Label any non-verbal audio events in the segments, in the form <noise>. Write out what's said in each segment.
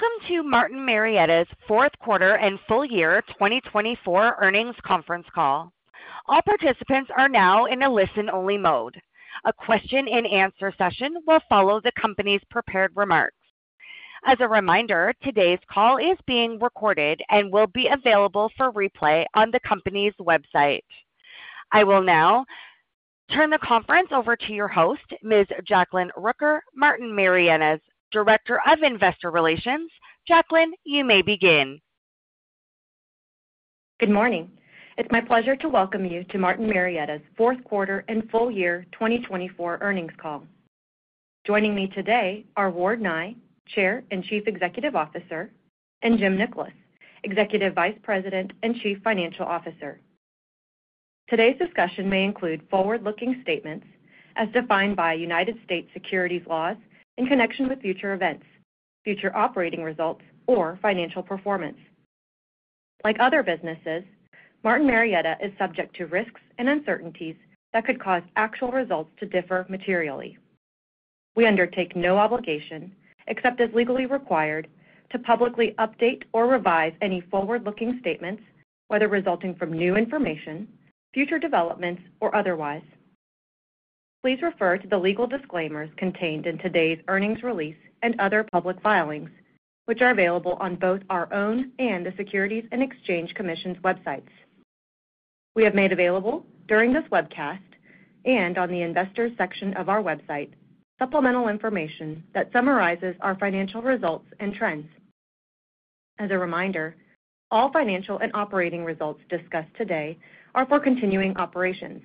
Welcome to Martin Marietta's fourth quarter and full year 2024 earnings conference call. All participants are now in a listen-only mode. A question-and-answer session will follow the company's prepared remarks. As a reminder, today's call is being recorded and will be available for replay on the company's website. I will now turn the conference over to your host, Ms. Jacklyn Rooker, Martin Marietta's Director of Investor Relations. Jacklyn, you may begin. Good morning. It's my pleasure to welcome you to Martin Marietta's fourth quarter and full year 2024 earnings call. Joining me today are Ward Nye, Chair and Chief Executive Officer, and Jim Nickolas, Executive Vice President and Chief Financial Officer. Today's discussion may include forward-looking statements as defined by United States securities laws in connection with future events, future operating results, or financial performance. Like other businesses, Martin Marietta is subject to risks and uncertainties that could cause actual results to differ materially. We undertake no obligation, except as legally required, to publicly update or revise any forward-looking statements, whether resulting from new information, future developments, or otherwise. Please refer to the legal disclaimers contained in today's earnings release and other public filings, which are available on both our own and the Securities and Exchange Commission's websites. We have made available, during this webcast and on the investors' section of our website, supplemental information that summarizes our financial results and trends. As a reminder, all financial and operating results discussed today are for continuing operations.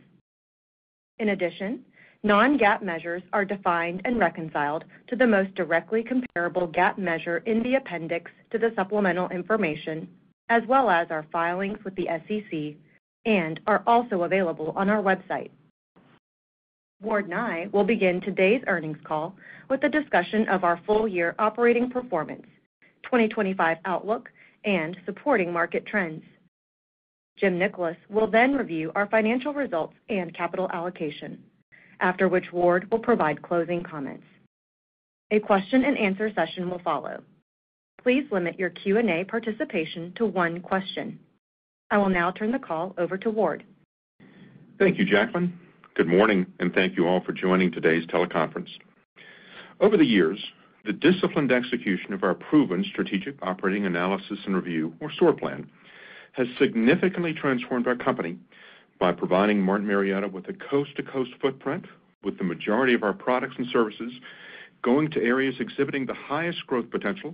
In addition, non-GAAP measures are defined and reconciled to the most directly comparable GAAP measure in the appendix to the supplemental information, as well as our filings with the SEC, and are also available on our website. Ward Nye will begin today's earnings call with a discussion of our full year operating performance, 2025 outlook, and supporting market trends. Jim Nickolas will then review our financial results and capital allocation, after which Ward will provide closing comments. A question-and-answer session will follow. Please limit your Q&A participation to one question. I will now turn the call over to Ward. Thank you, Jacklyn. Good morning, and thank you all for joining today's teleconference. Over the years, the disciplined execution of our proven Strategic Operating Analysis and Review, or SOAR plan, has significantly transformed our company by providing Martin Marietta with a coast-to-coast footprint, with the majority of our products and services going to areas exhibiting the highest growth potential,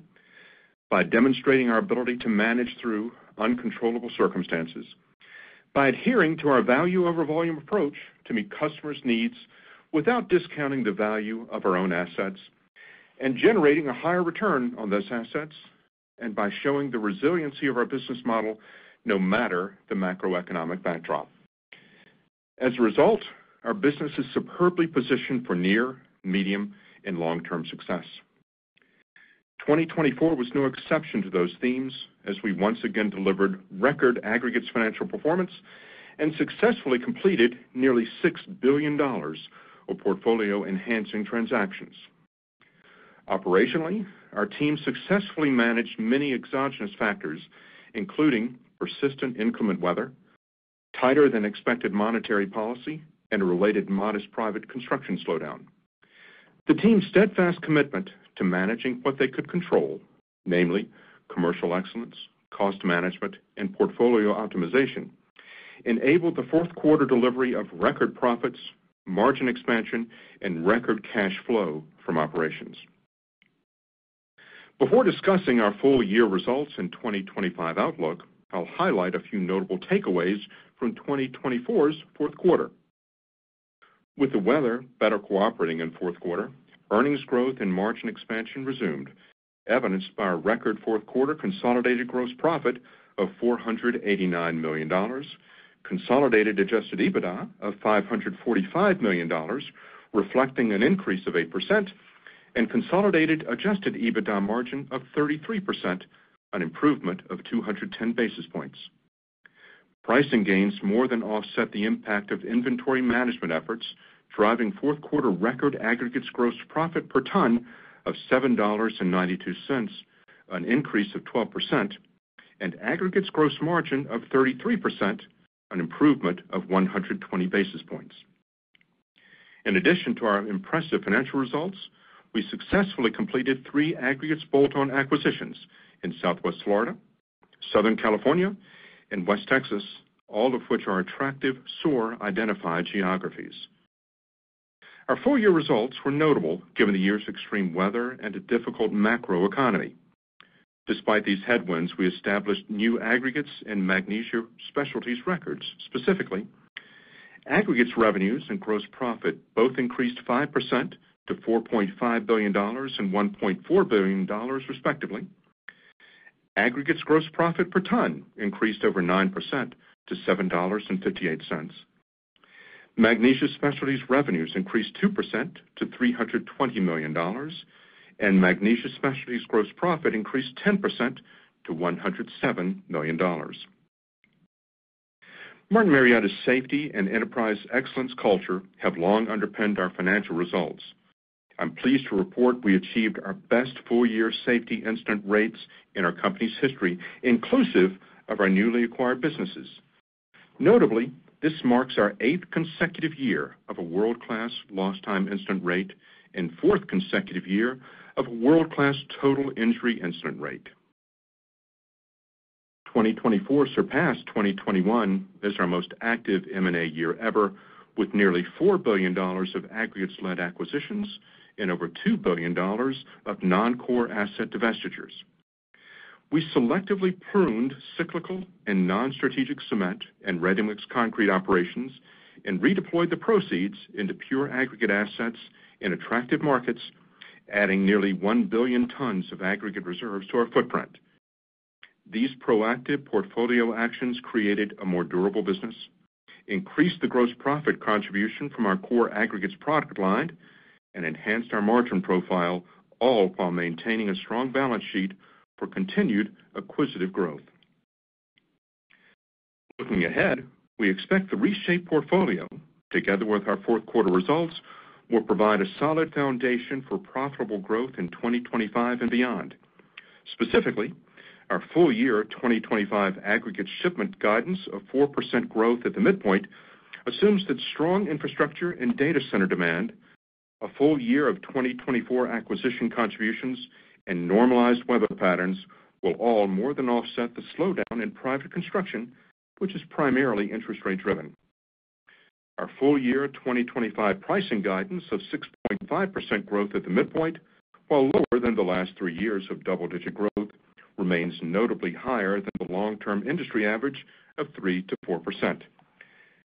by demonstrating our ability to manage through uncontrollable circumstances, by adhering to our value-over-volume approach to meet customers' needs without discounting the value of our own assets, and generating a higher return on those assets, and by showing the resiliency of our business model no matter the macroeconomic backdrop. As a result, our business is superbly positioned for near, medium, and long-term success. 2024 was no exception to those themes as we once again delivered record aggregates financial performance and successfully completed nearly $6 billion of portfolio enhancing transactions. Operationally, our team successfully managed many exogenous factors, including persistent inclement weather, tighter-than-expected monetary policy, and a related modest private construction slowdown. The team's steadfast commitment to managing what they could control, namely commercial excellence, cost management, and portfolio optimization, enabled the fourth quarter delivery of record profits, margin expansion, and record cash flow from operations. Before discussing our full year results and 2025 outlook, I'll highlight a few notable takeaways from 2024's fourth quarter. With the weather better cooperating in fourth quarter, earnings growth and margin expansion resumed, evidenced by a record fourth quarter consolidated gross profit of $489 million, consolidated adjusted EBITDA of $545 million, reflecting an increase of 8%, and consolidated adjusted EBITDA margin of 33%, an improvement of 210 basis points. Pricing gains more than offset the impact of inventory management efforts, driving fourth quarter record aggregates gross profit per ton of $7.92, an increase of 12%, and aggregates gross margin of 33%, an improvement of 120 basis points. In addition to our impressive financial results, we successfully completed three aggregates bolt-on acquisitions in Southwest Florida, Southern California, and West Texas, all of which are attractive SOAR-identified geographies. Our full year results were notable given the year's extreme weather and a difficult macroeconomy. Despite these headwinds, we established new aggregates and Magnesia Specialties records. Specifically, aggregates revenues and gross profit both increased 5% to $4.5 billion and $1.4 billion, respectively. Aggregates gross profit per ton increased over 9% to $7.58. Magnesia Specialties revenues increased 2% to $320 million, and Magnesia Specialties gross profit increased 10% to $107 million. Martin Marietta's safety and enterprise excellence culture have long underpinned our financial results. I'm pleased to report we achieved our best full year safety incident rates in our company's history, inclusive of our newly acquired businesses. Notably, this marks our eighth consecutive year of a world-class lost time incident rate and fourth consecutive year of a world-class total injury incident rate. 2024 surpassed 2021 as our most active M&A year ever, with nearly $4 billion of aggregates-led acquisitions and over $2 billion of non-core asset divestitures. We selectively pruned cyclical and non-strategic cement and ready-mix concrete operations and redeployed the proceeds into pure aggregate assets and attractive markets, adding nearly one billion tons of aggregate reserves to our footprint. These proactive portfolio actions created a more durable business, increased the gross profit contribution from our core aggregates product line, and enhanced our margin profile, all while maintaining a strong balance sheet for continued acquisitive growth. Looking ahead, we expect the reshaped portfolio, together with our fourth quarter results, will provide a solid foundation for profitable growth in 2025 and beyond. Specifically, our full year 2025 aggregate shipment guidance of 4% growth at the midpoint assumes that strong infrastructure and data center demand, a full year of 2024 acquisition contributions, and normalized weather patterns will all more than offset the slowdown in private construction, which is primarily interest rate driven. Our full year 2025 pricing guidance of 6.5% growth at the midpoint, while lower than the last three years of double-digit growth, remains notably higher than the long-term industry average of 3%-4%.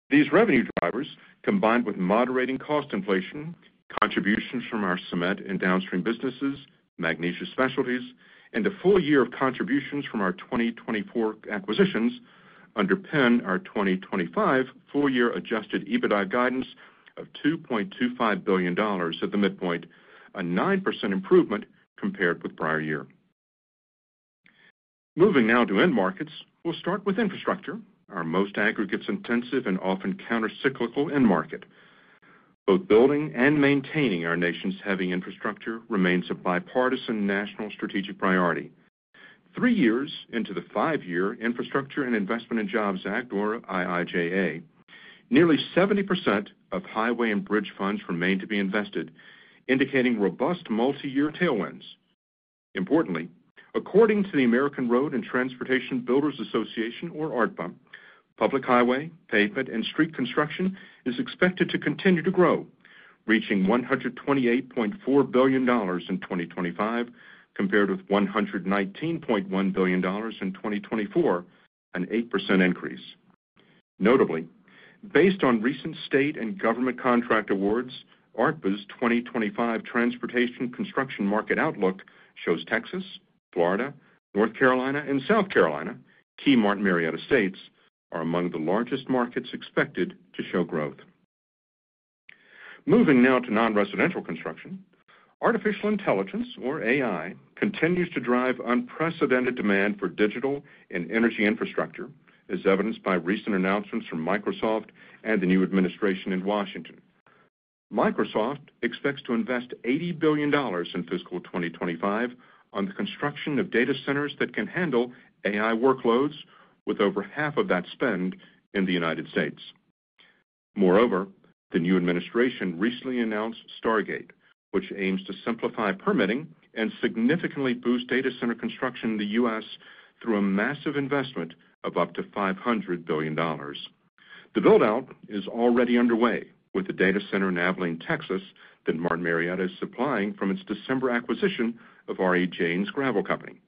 These revenue drivers, combined with moderating cost inflation, contributions from our cement and downstream businesses, Magnesia Specialties, and a full year of contributions from our 2024 acquisitions, underpin our 2025 full year Adjusted EBITDA guidance of $2.25 billion at the midpoint, a 9% improvement compared with prior year. Moving now to end markets, we'll start with infrastructure, our most aggregates-intensive and often countercyclical end market. Both building and maintaining our nation's heavy infrastructure remains a bipartisan national strategic priority. Three years into the five-year Infrastructure Investment and Jobs Act, or IIJA, nearly 70% of highway and bridge funds remain to be invested, indicating robust multi-year tailwinds. Importantly, according to the American Road and Transportation Builders Association, or ARTBA, public highway, pavement, and street construction is expected to continue to grow, reaching $128.4 billion in 2025, compared with $119.1 billion in 2024, an 8% increase. Notably, based on recent state and government contract awards, ARTBA's 2025 transportation construction market outlook shows Texas, Florida, North Carolina, and South Carolina, key Martin Marietta states, are among the largest markets expected to show growth. Moving now to non-residential construction. Artificial intelligence, or AI, continues to drive unprecedented demand for digital and energy infrastructure, as evidenced by recent announcements from Microsoft and the new administration in Washington. Microsoft expects to invest $80 billion in fiscal 2025 on the construction of data centers that can handle AI workloads, with over half of that spend in the United States. Moreover, the new administration recently announced Stargate, which aims to simplify permitting and significantly boost data center construction in the U.S. through a massive investment of up to $500 billion. The build-out is already underway with the data center in Abilene, Texas, that Martin Marietta is supplying from its December acquisition of R.E. Janes Gravel Company.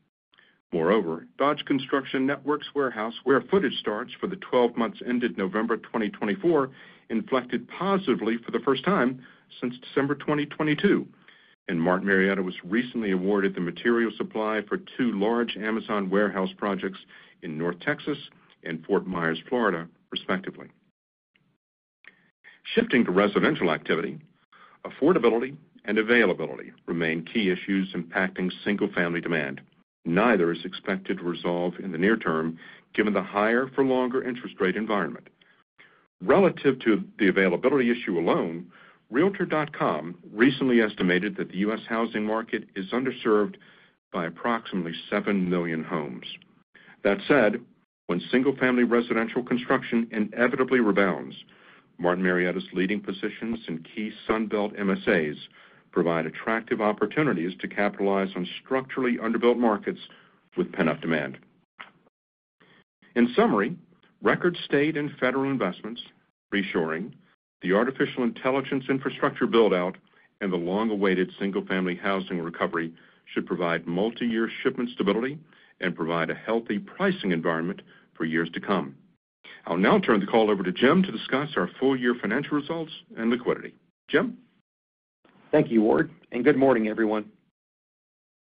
Moreover, Dodge Construction Network's warehouse square footage starts for the 12 months ended November 2024 inflected positively for the first time since December 2022, and Martin Marietta was recently awarded the material supply for two large Amazon warehouse projects in North Texas and Fort Myers, Florida, respectively. Shifting to residential activity, affordability and availability remain key issues impacting single-family demand. Neither is expected to resolve in the near term given the higher-for-longer interest rate environment. Relative to the availability issue alone, Realtor.com recently estimated that the U.S. housing market is underserved by approximately 7 million homes. That said, when single-family residential construction inevitably rebounds, Martin Marietta's leading positions in key Sunbelt MSAs provide attractive opportunities to capitalize on structurally underbuilt markets with pent-up demand. In summary, record state and federal investments, reshoring, the artificial intelligence infrastructure build-out, and the long-awaited single-family housing recovery should provide multi-year shipment stability and provide a healthy pricing environment for years to come. I'll now turn the call over to Jim to discuss our full year financial results and liquidity. Jim? Thank you, Ward, and good morning, everyone.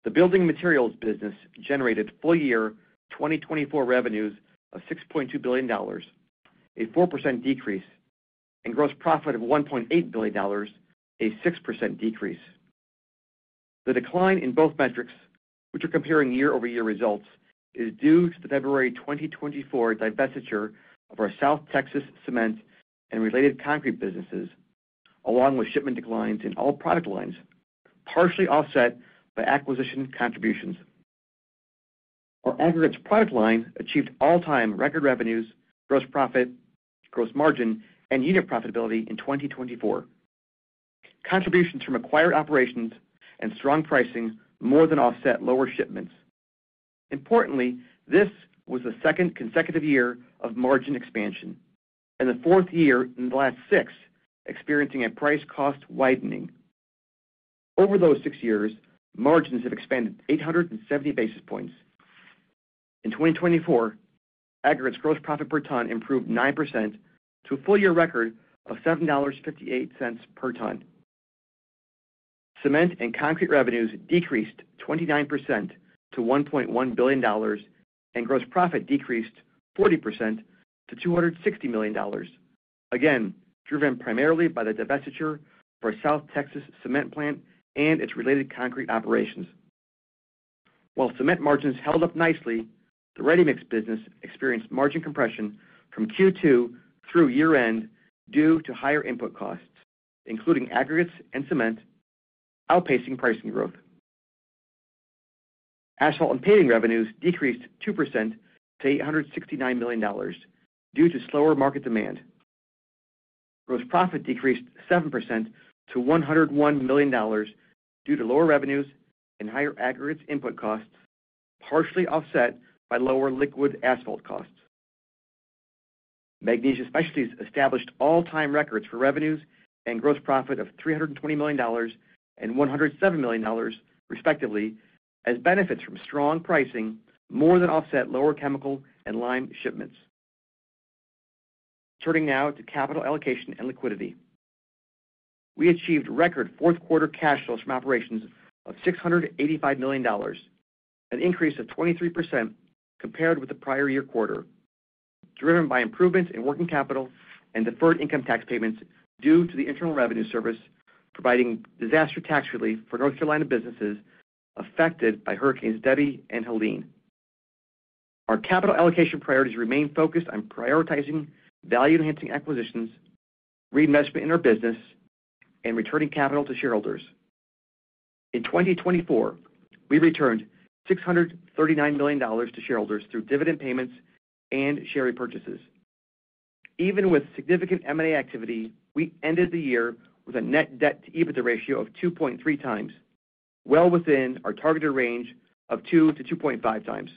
The building materials business generated full year 2024 revenues of $6.2 billion, a 4% decrease, and gross profit of $1.8 billion, a 6% decrease. The decline in both metrics, which are comparing year-over-year results, is due to the February 2024 divestiture of our South Texas cement and related concrete businesses, along with shipment declines in all product lines, partially offset by acquisition contributions. Our aggregates product line achieved all-time record revenues, gross profit, gross margin, and unit profitability in 2024. Contributions from acquired operations and strong pricing more than offset lower shipments. Importantly, this was the second consecutive year of margin expansion, and the fourth year in the last six experiencing a price-cost widening. Over those six years, margins have expanded 870 basis points. In 2024, aggregates gross profit per ton improved 9% to a full year record of $7.58 per ton. Cement and concrete revenues decreased 29% to $1.1 billion, and gross profit decreased 40% to $260 million, again driven primarily by the divestiture of South Texas cement plant and its related concrete operations. While cement margins held up nicely, the ready-mix business experienced margin compression from Q2 through year-end due to higher input costs, including aggregates and cement, outpacing pricing growth. Asphalt and paving revenues decreased 2% to $869 million due to slower market demand. Gross profit decreased 7% to $101 million due to lower revenues and higher aggregates input costs, partially offset by lower liquid asphalt costs. Magnesia Specialties established all-time records for revenues and gross profit of $320 million and $107 million, respectively, as benefits from strong pricing more than offset lower chemical and lime shipments. Turning now to capital allocation and liquidity. We achieved record fourth quarter cash flows from operations of $685 million, an increase of 23% compared with the prior year quarter, driven by improvements in working capital and deferred income tax payments due to the Internal Revenue Service providing disaster tax relief for North Carolina businesses affected by Hurricanes Debby and Helene. Our capital allocation priorities remain focused on prioritizing value-enhancing acquisitions, reinvestment in our business, and returning capital to shareholders. In 2024, we returned $639 million to shareholders through dividend payments and share repurchases. Even with significant M&A activity, we ended the year with a net debt-to-EBITDA ratio of 2.3x, well within our targeted range of 2x-2.5x.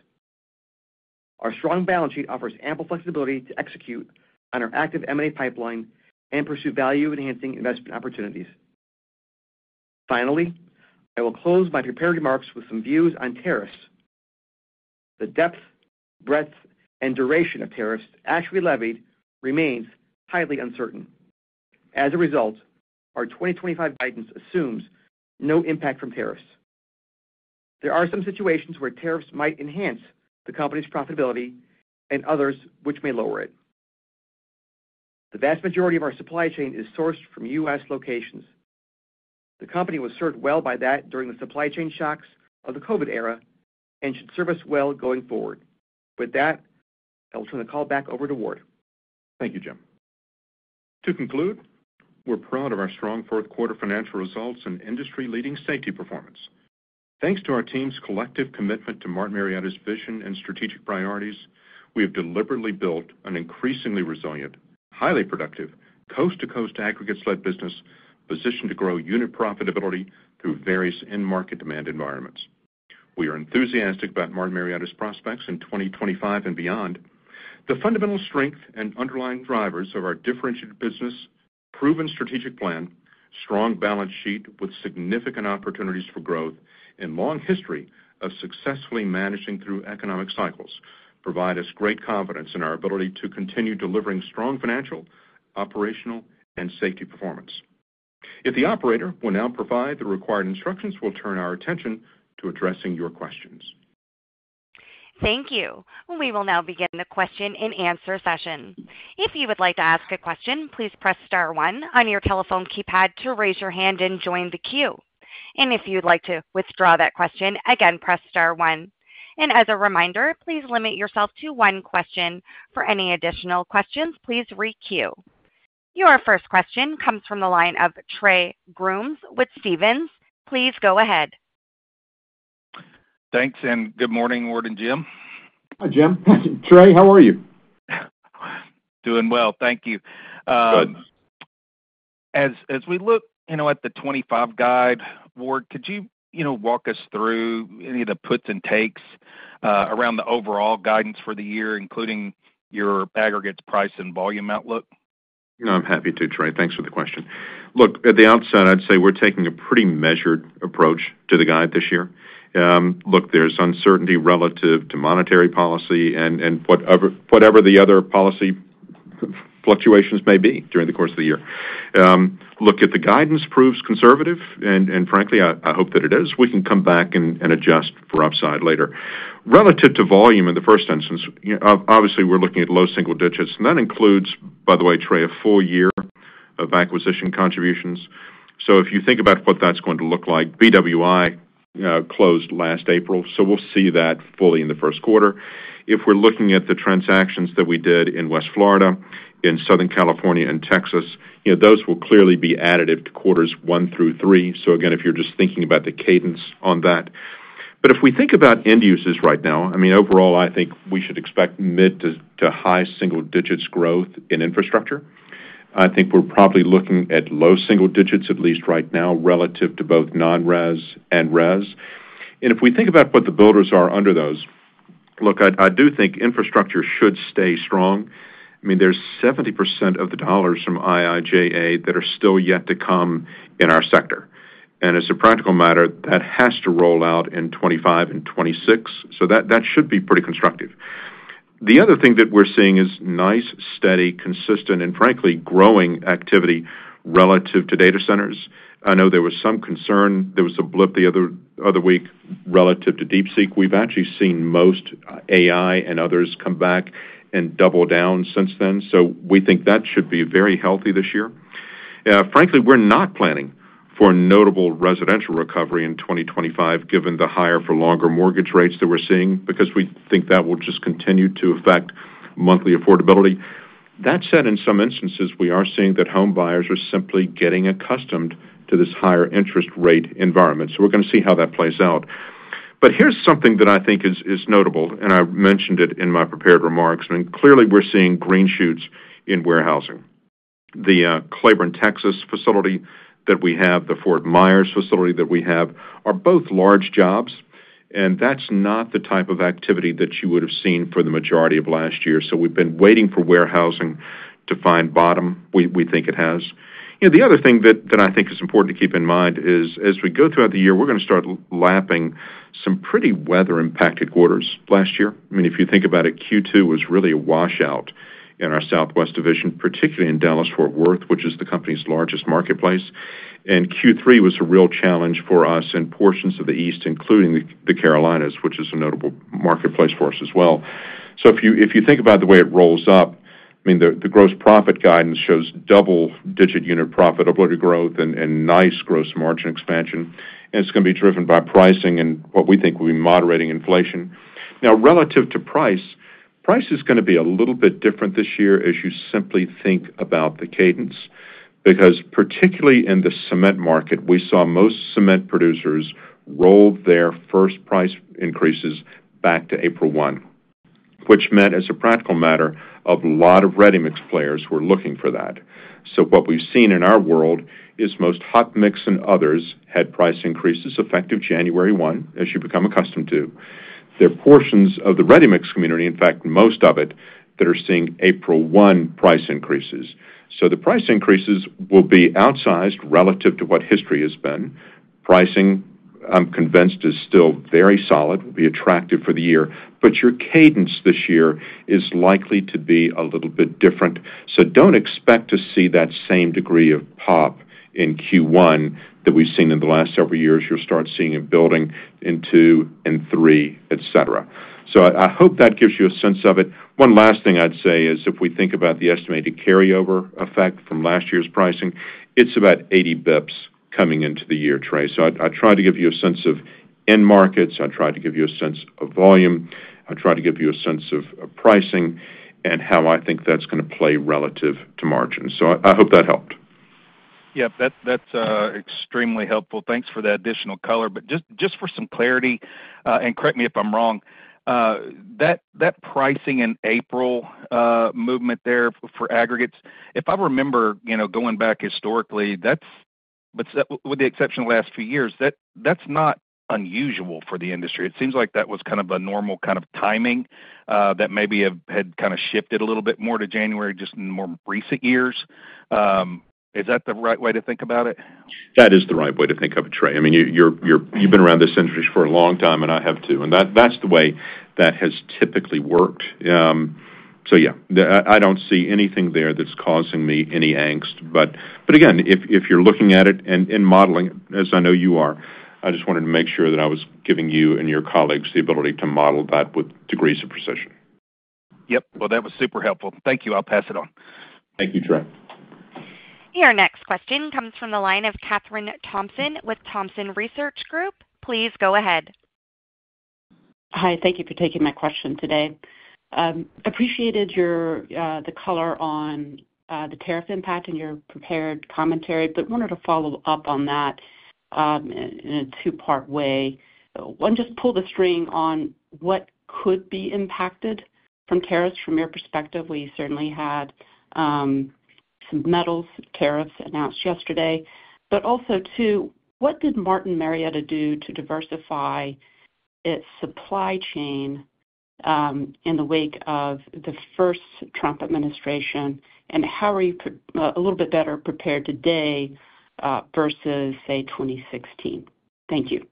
Our strong balance sheet offers ample flexibility to execute on our active M&A pipeline and pursue value-enhancing investment opportunities. Finally, I will close my prepared remarks with some views on tariffs. The depth, breadth, and duration of tariffs actually levied remains highly uncertain. As a result, our 2025 guidance assumes no impact from tariffs. There are some situations where tariffs might enhance the company's profitability and others which may lower it. The vast majority of our supply chain is sourced from U.S. locations. The company was served well by that during the supply chain shocks of the COVID era and should serve us well going forward. With that, I will turn the call back over to Ward. Thank you, Jim. To conclude, we're proud of our strong fourth quarter financial results and industry-leading safety performance. Thanks to our team's collective commitment to Martin Marietta's vision and strategic priorities, we have deliberately built an increasingly resilient, highly productive, coast-to-coast aggregates-led business positioned to grow unit profitability through various in-market demand environments. We are enthusiastic about Martin Marietta's prospects in 2025 and beyond. The fundamental strength and underlying drivers of our differentiated business, proven strategic plan, strong balance sheet with significant opportunities for growth, and long history of successfully managing through economic cycles provide us great confidence in our ability to continue delivering strong financial, operational, and safety performance. If the operator will now provide the required instructions, we'll turn our attention to addressing your questions. Thank you. We will now begin the question-and-answer session. If you would like to ask a question, please press star one on your telephone keypad to raise your hand and join the queue. And if you'd like to withdraw that question, again, press star one. And as a reminder, please limit yourself to one question. For any additional questions, please re-queue. Your first question comes from the line of Trey Grooms with Stephens. Please go ahead. Thanks, and good morning, Ward and Jim. Hi, Jim. Trey, how are you? Doing well, thank you. Good. As we look at the 2025 guide, Ward, could you walk us through any of the puts and takes around the overall guidance for the year, including your aggregates price and volume outlook? I'm happy to, Trey. Thanks for the question. Look, at the outset, I'd say we're taking a pretty measured approach to the guide this year. Look, there's uncertainty relative to monetary policy and whatever the other policy fluctuations may be during the course of the year. Look, if the guidance proves conservative, and frankly, I hope that it is, we can come back and adjust for upside later. Relative to volume in the first instance, obviously, we're looking at low single digits, and that includes, by the way, Trey, a full year of acquisition contributions. So if you think about what that's going to look like, BWI closed last April, so we'll see that fully in the first quarter. If we're looking at the transactions that we did in Southwest Florida, in Southern California, and Texas, those will clearly be additive to quarters one through three. So again, if you're just thinking about the cadence on that. But if we think about end uses right now, I mean, overall, I think we should expect mid- to high-single-digits growth in infrastructure. I think we're probably looking at low-single-digits, at least right now, relative to both non-RES and RES. And if we think about what the builders are under those, look, I do think infrastructure should stay strong. I mean, there's 70% of the dollars from IIJA that are still yet to come in our sector. And as a practical matter, that has to roll out in 2025 and 2026, so that should be pretty constructive. The other thing that we're seeing is nice, steady, consistent, and frankly, growing activity relative to data centers. I know there was some concern. There was a blip the other week relative to DeepSeek. We've actually seen most AI and others come back and double down since then. So we think that should be very healthy this year. Frankly, we're not planning for a notable residential recovery in 2025, given the higher-for-longer mortgage rates that we're seeing, because we think that will just continue to affect monthly affordability. That said, in some instances, we are seeing that home buyers are simply getting accustomed to this higher interest rate environment. So we're going to see how that plays out. But here's something that I think is notable, and I mentioned it in my prepared remarks. I mean, clearly, we're seeing green shoots in warehousing. The Cleburne Texas facility that we have, the Fort Myers facility that we have are both large jobs, and that's not the type of activity that you would have seen for the majority of last year. So we've been waiting for warehousing to find bottom. We think it has. The other thing that I think is important to keep in mind is, as we go throughout the year, we're going to start lapping some pretty weather-impacted quarters last year. I mean, if you think about it, Q2 was really a washout in our Southwest Division, particularly in Dallas-Fort Worth, which is the company's largest marketplace. And Q3 was a real challenge for us in portions of the East, including the Carolinas, which is a notable marketplace for us as well. So if you think about the way it rolls up, I mean, the gross profit guidance shows double-digit unit profitability growth and nice gross margin expansion. And it's going to be driven by pricing and what we think will be moderating inflation. Now, relative to price, price is going to be a little bit different this year as you simply think about the cadence, because particularly in the cement market, we saw most cement producers roll their first price increases back to April 1, which meant, as a practical matter, a lot of ready-mix players were looking for that. So what we've seen in our world is most hot mix and others had price increases effective January 1, as you become accustomed to. There are portions of the ready-mix community, in fact, most of it, that are seeing April 1 price increases. So the price increases will be outsized relative to what history has been. Pricing, I'm convinced, is still very solid, will be attractive for the year. But your cadence this year is likely to be a little bit different. So don't expect to see that same degree of pop in Q1 that we've seen in the last several years. You'll start seeing it building in Q2 and Q3, etc. So I hope that gives you a sense of it. One last thing I'd say is, if we think about the estimated carryover effect from last year's pricing, it's about 80 basis points coming into the year, Trey. So I tried to give you a sense of end markets. I tried to give you a sense of volume. I tried to give you a sense of pricing and how I think that's going to play relative to margin. So I hope that helped. Yep, that's extremely helpful. Thanks for that additional color. But just for some clarity, and correct me if I'm wrong, that pricing in April movement there for aggregates, if I remember going back historically, with the exception of the last few years, that's not unusual for the industry. It seems like that was kind of a normal kind of timing that maybe had kind of shifted a little bit more to January just in more recent years. Is that the right way to think about it? That is the right way to think of it, Trey. I mean, you've been around this industry for a long time, and I have too. And that's the way that has typically worked. So yeah, I don't see anything there that's causing me any angst. But again, if you're looking at it and modeling it, as I know you are, I just wanted to make sure that I was giving you and your colleagues the ability to model that with degrees of precision. Yep. Well, that was super helpful. Thank you. I'll pass it on. Thank you, Trey. Your next question comes from the line of Kathryn Thompson with Thompson Research Group. Please go ahead. Hi. Thank you for taking my question today. Appreciated the color on the tariff impact and your prepared commentary, but wanted to follow up on that in a two-part way. One, just pull the string on what could be impacted from tariffs from your perspective. We certainly had some metals tariffs announced yesterday. But also, two, what did Martin Marietta do to diversify its supply chain in the wake of the first Trump administration? And how are you a little bit better prepared today versus, say, 2016? Thank you.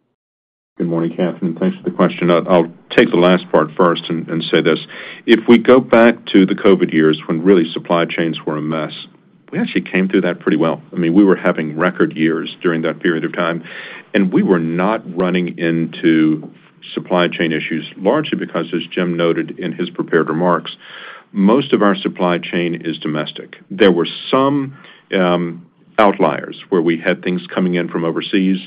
Good morning, Kathryn. Thanks for the question. I'll take the last part first and say this. If we go back to the COVID years when really supply chains were a mess, we actually came through that pretty well. I mean, we were having record years during that period of time. And we were not running into supply chain issues, largely because, as Jim noted in his prepared remarks, most of our supply chain is domestic. There were some outliers where we had things coming in from overseas.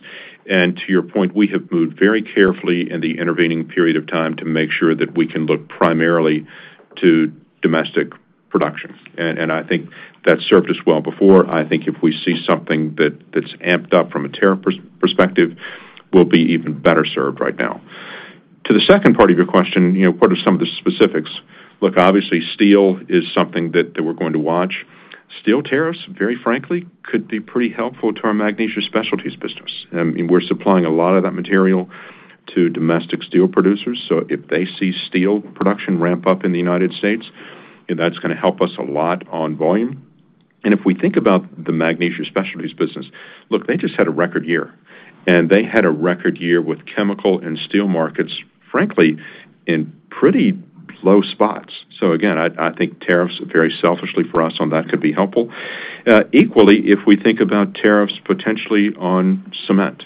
And to your point, we have moved very carefully in the intervening period of time to make sure that we can look primarily to domestic production. And I think that served us well before. I think if we see something that's amped up from a tariff perspective, we'll be even better served right now. To the second part of your question, what are some of the specifics? Look, obviously, steel is something that we're going to watch. Steel tariffs, very frankly, could be pretty helpful to our Magnesia Specialties business. I mean, we're supplying a lot of that material to domestic steel producers. So if they see steel production ramp up in the United States, that's going to help us a lot on volume. And if we think about the Magnesia Specialties business, look, they just had a record year. And they had a record year with chemical and steel markets, frankly, in pretty low spots. So again, I think tariffs, very selfishly for us on that, could be helpful. Equally, if we think about tariffs potentially on cement,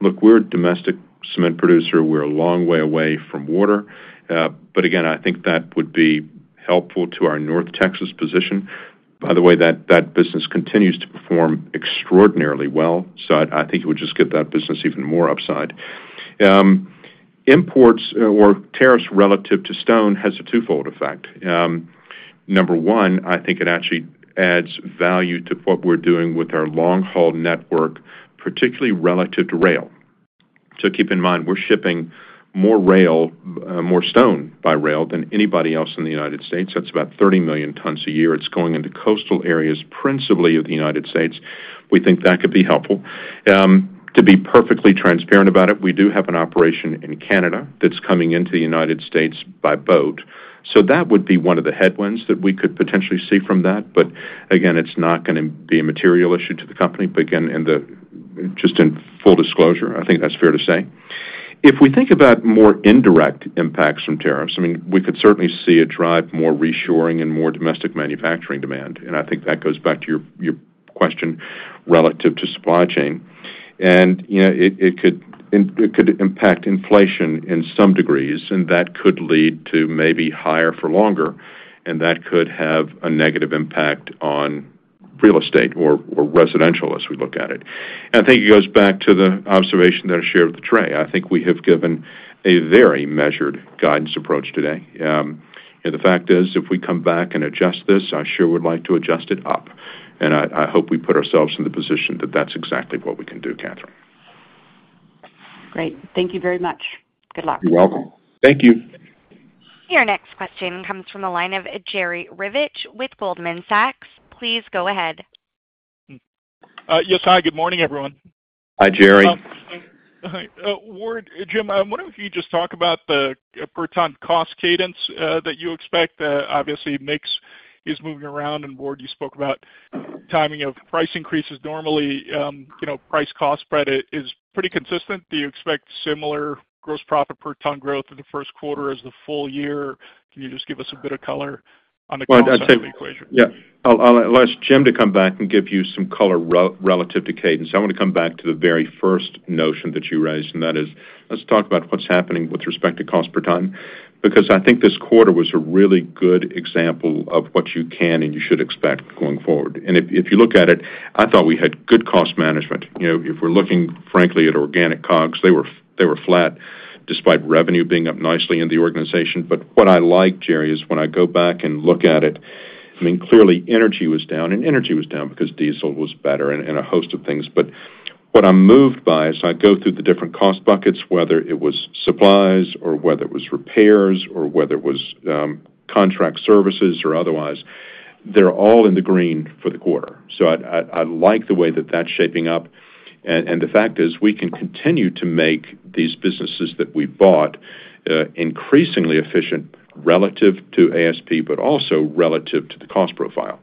look, we're a domestic cement producer. We're a long way away from water. But again, I think that would be helpful to our North Texas position. By the way, that business continues to perform extraordinarily well. So I think it would just give that business even more upside. Imports or tariffs relative to stone has a twofold effect. Number one, I think it actually adds value to what we're doing with our long-haul network, particularly relative to rail. So keep in mind, we're shipping more stone by rail than anybody else in the United States. That's about 30 million tons a year. It's going into coastal areas, principally of the United States. We think that could be helpful. To be perfectly transparent about it, we do have an operation in Canada that's coming into the United States by boat. So that would be one of the headwinds that we could potentially see from that. But again, it's not going to be a material issue to the company. But again, just in full disclosure, I think that's fair to say. If we think about more indirect impacts from tariffs, I mean, we could certainly see a drive more reshoring and more domestic manufacturing demand. And I think that goes back to your question relative to supply chain. And it could impact inflation in some degrees, and that could lead to maybe higher for longer. And that could have a negative impact on real estate or residential as we look at it. And I think it goes back to the observation that I shared with Trey. I think we have given a very measured guidance approach today. And the fact is, if we come back and adjust this, I sure would like to adjust it up. I hope we put ourselves in the position that that's exactly what we can do, Kathryn. Great. Thank you very much. Good luck. You're welcome. Thank you. Your next question comes from the line of Jerry Revich with Goldman Sachs. Please go ahead. Yes. Hi. Good morning, everyone. Hi, Jerry. Ward, Jim, I'm wondering if you could just talk about the per ton cost cadence that you expect. Obviously, MICS is moving around, and Ward, you spoke about timing of price increases. Normally, price-cost spread is pretty consistent. Do you expect similar gross profit per ton growth in the first quarter as the full year? Can you just give us a bit of color on the cost equation? Ward, I'd say, yeah, I'll ask Jim to come back and give you some color relative to cadence. I want to come back to the very first notion that you raised, and that is, let's talk about what's happening with respect to cost per ton, because I think this quarter was a really good example of what you can and you should expect going forward, and if you look at it, I thought we had good cost management. If we're looking, frankly, at organic COGS, they were flat despite revenue being up nicely in the organization, but what I like, Jerry, is when I go back and look at it, I mean, clearly, energy was down, and energy was down because diesel was better and a host of things. But what I'm moved by is I go through the different cost buckets, whether it was supplies or whether it was repairs or whether it was contract services or otherwise, they're all in the green for the quarter. So I like the way that that's shaping up. And the fact is, we can continue to make these businesses that we've bought increasingly efficient relative to ASP, but also relative to the cost profile.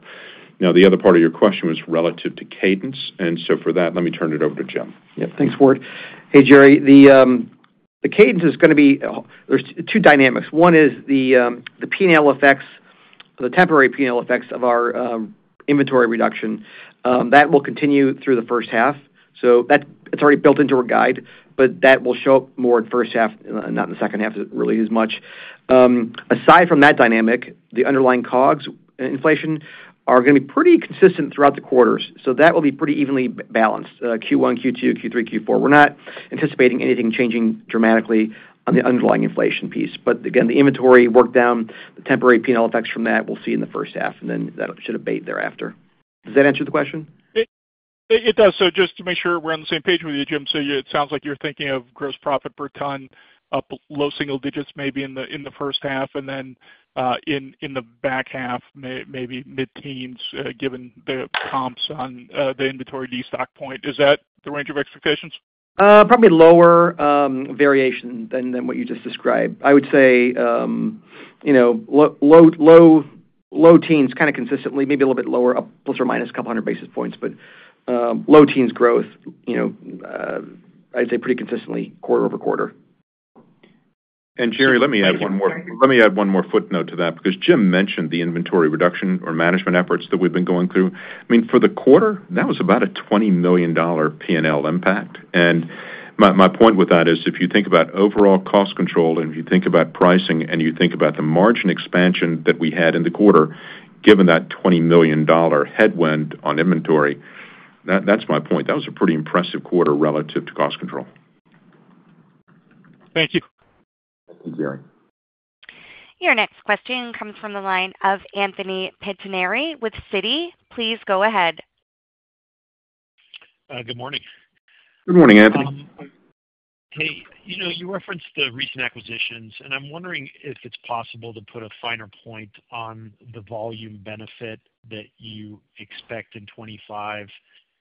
Now, the other part of your question was relative to cadence. And so for that, let me turn it over to Jim. Yeah. Thanks, Ward. Hey, Jerry, the cadence is going to be there's two dynamics. One is the temporary P&L effects of our inventory reduction. That will continue through the first half. So it's already built into our guide, but that will show up more in the first half, not in the second half really as much. Aside from that dynamic, the underlying COGS inflation are going to be pretty consistent throughout the quarters. So that will be pretty evenly balanced, Q1, Q2, Q3, Q4. We're not anticipating anything changing dramatically on the underlying inflation piece. But again, the inventory work down, the temporary P&L effects from that, we'll see in the first half, and then that should abate thereafter. Does that answer the question? It does. So just to make sure we're on the same page with you, Jim, so it sounds like you're thinking of gross profit per ton up low single digits maybe in the first half, and then in the back half, maybe mid-teens given the comps on the inventory destock point. Is that the range of expectations? Probably lower variation than what you just described. I would say low teens, kind of consistently, maybe a little bit lower, plus or minus a couple hundred basis points. But low teens growth, I'd say pretty consistently quarter-over-quarter. And Jerry, let me add one more footnote to that, because Jim mentioned the inventory reduction or management efforts that we've been going through. I mean, for the quarter, that was about a $20 million P&L impact. And my point with that is, if you think about overall cost control and if you think about pricing and you think about the margin expansion that we had in the quarter, given that $20 million headwind on inventory, that's my point. That was a pretty impressive quarter relative to cost control. Thank you. Thank you, Jerry. Your next question comes from the line of Anthony Pettinari with Citi. Please go ahead. Good morning. Good morning, Anthony. Hey, you referenced the recent acquisitions, and I'm wondering if it's possible to put a finer point on the volume benefit that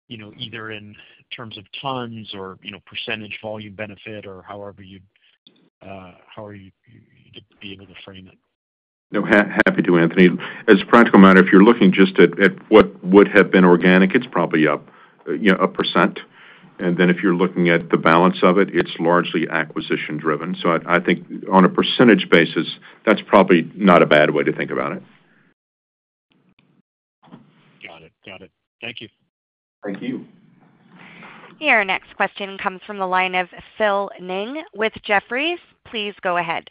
you expect in 2025, either in terms of tons or percentage volume benefit or however you'd be able to frame it? No, happy to, Anthony. As a practical matter, if you're looking just at what would have been organic, it's probably up 1%. And then if you're looking at the balance of it, it's largely acquisition-driven. So I think on a percentage basis, that's probably not a bad way to think about it. Got it. Got it. Thank you. Thank you. Your next question comes from the line of Phil Ng with Jefferies. Please go ahead.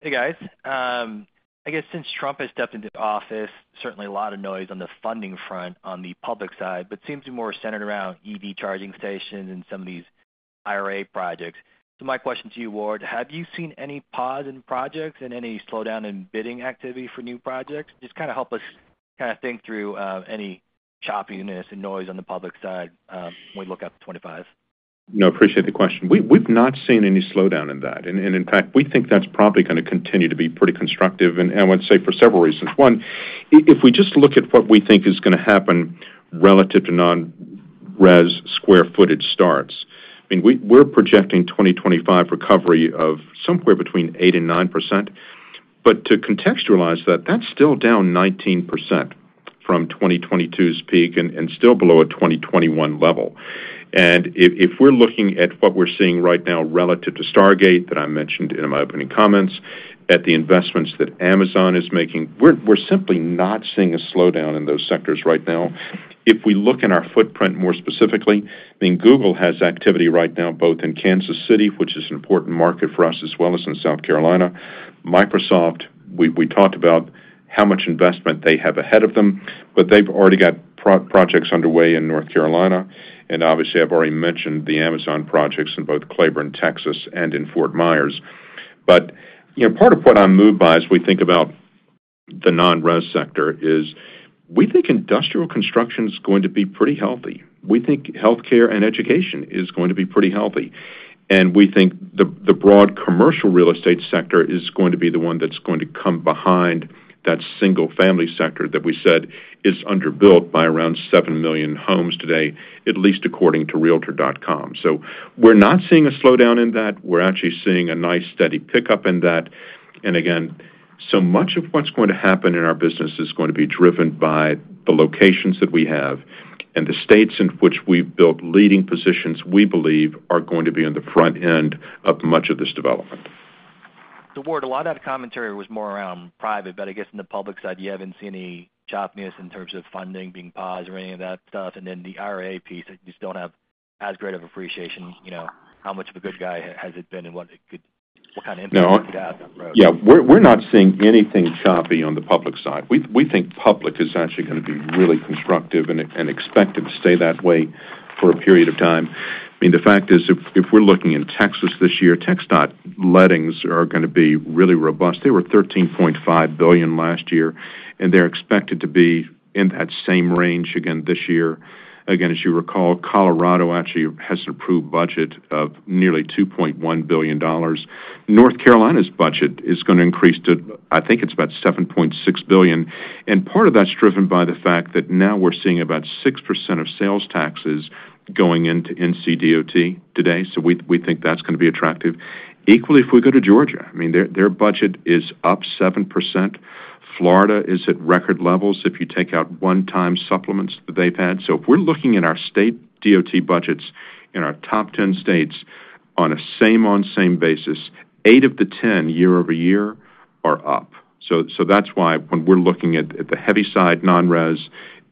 Hey, guys. I guess since Trump has stepped into office, certainly a lot of noise on the funding front on the public side, but seems to be more centered around EV charging stations and some of these IRA projects. So my question to you, Ward, have you seen any pause in projects and any slowdown in bidding activity for new projects? Just kind of help us kind of think through any choppiness and noise on the public side when we look at 2025. No, appreciate the question. We've not seen any slowdown in that. And in fact, we think that's probably going to continue to be pretty constructive. And I would say for several reasons. One, if we just look at what we think is going to happen relative to non-RES square footage starts, I mean, we're projecting 2025 recovery of somewhere between 8% and 9%. But to contextualize that, that's still down 19% from 2022's peak and still below a 2021 level. And if we're looking at what we're seeing right now relative to Stargate that I mentioned in my opening comments, at the investments that Amazon is making, we're simply not seeing a slowdown in those sectors right now. If we look at our footprint more specifically, I mean, Google has activity right now both in Kansas City, which is an important market for us, as well as in South Carolina. Microsoft, we talked about how much investment they have ahead of them, but they've already got projects underway in North Carolina. And obviously, I've already mentioned the Amazon projects in both Cleburne, Texas, and in Fort Myers. But part of what I'm moved by as we think about the non-RES sector is we think industrial construction is going to be pretty healthy. We think healthcare and education is going to be pretty healthy. And we think the broad commercial real estate sector is going to be the one that's going to come behind that single-family sector that we said is underbuilt by around seven million homes today, at least according to Realtor.com. So we're not seeing a slowdown in that. We're actually seeing a nice steady pickup in that. And again, so much of what's going to happen in our business is going to be driven by the locations that we have and the states in which we've built leading positions, we believe, are going to be on the front end of much of this development. So Ward, a lot of that commentary was more around private. But I guess in the public side, you haven't seen any choppiness in terms of funding being paused or any of that stuff. And then the IRA piece, you just don't have as great of appreciation how much of a good guy has it been and what kind of impact it has on growth. Yeah. We're not seeing anything choppy on the public side. We think public is actually going to be really constructive and expected to stay that way for a period of time. I mean, the fact is, if we're looking in Texas this year, Texas lettings are going to be really robust. They were $13.5 billion last year, and they're expected to be in that same range again this year. Again, as you recall, Colorado actually has an approved budget of nearly $2.1 billion. North Carolina's budget is going to increase to, I think it's about $7.6 billion. And part of that's driven by the fact that now we're seeing about 6% of sales taxes going into NCDOT today. So we think that's going to be attractive. Equally, if we go to Georgia, I mean, their budget is up 7%. Florida is at record levels if you take out one-time supplements that they've had. So if we're looking at our state DOT budgets in our top 10 states on a same-on-same basis, eight of the 10 year-over-year are up. So that's why when we're looking at the heavy side non-RES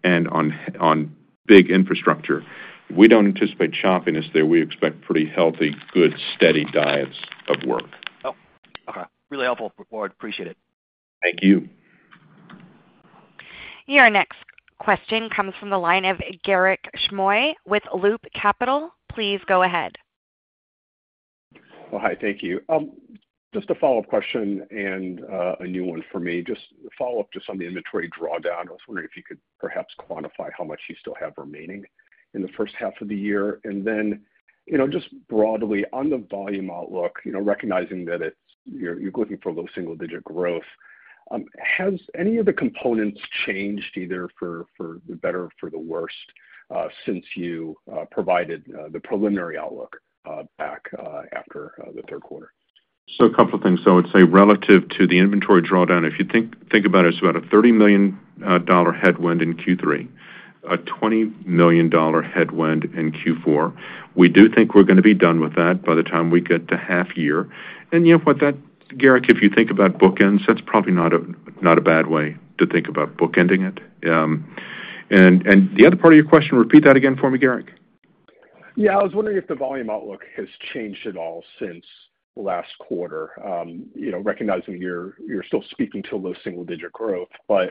and on big infrastructure, we don't anticipate choppiness there. We expect pretty healthy, good, steady diets of work. Okay. Really helpful, Ward. Appreciate it. Thank you. Your next question comes from the line of Garik Shmois with Loop Capital. Please go ahead. Hi. Thank you. Just a follow-up question and a new one for me. Just a follow-up on the inventory drawdown. I was wondering if you could perhaps quantify how much you still have remaining in the first half of the year. And then just broadly on the volume outlook, recognizing that you're looking for low single-digit growth, has any of the components changed either for the better or for the worst since you provided the preliminary outlook back after the third quarter? So a couple of things. So I would say relative to the inventory drawdown, if you think about it, it's about a $30 million headwind in Q3, a $20 million headwind in Q4. We do think we're going to be done with that by the time we get to half year. And you know what, Garik, if you think about bookends, that's probably not a bad way to think about bookending it. And the other part of your question, repeat that again for me, Garik. Yeah. I was wondering if the volume outlook has changed at all since last quarter, recognizing you're still speaking to low single-digit growth, but